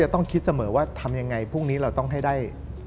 ต้องคิดเสมอว่าทำยังไงพรุ่งนี้เราต้องให้ได้